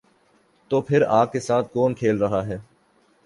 تو پھر آگ کے ساتھ کون کھیل رہا ہے؟